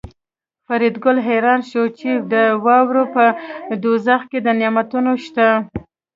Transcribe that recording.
فریدګل حیران شو چې د واورې په دوزخ کې دا نعمتونه شته